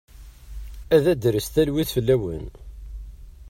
Ad d-tres talwit fell-awen.